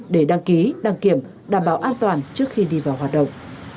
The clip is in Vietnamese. để đăng ký đăng kiểm đảm bảo an toàn trước khi đi vào hoạt động